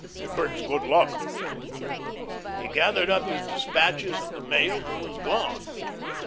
It brings good luck." He gathered up his despatches and the mail and was gone.